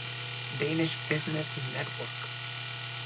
Danish Business Network.